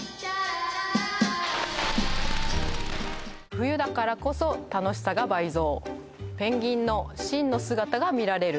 「冬だからこそ楽しさが倍増！」